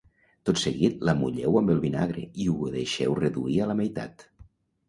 Tot seguit la mulleu amb el vinagre i ho deixeu reduir a la meitat